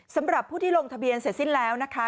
สำหรับผู้ที่ลงทะเบียนเสร็จสิ้นแล้วนะคะ